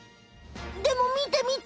でもみてみて！